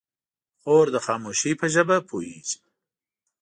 خور د خاموشۍ ژبه پوهېږي.